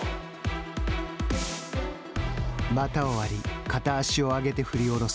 股を割り片足を上げて振り下ろす。